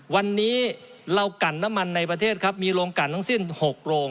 วันนี้เรากันน้ำมันในประเทศครับมีโรงกันทั้งสิ้น๖โรง